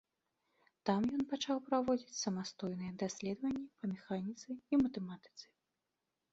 Там ён пачаў праводзіць самастойныя даследаванні па механіцы і матэматыцы.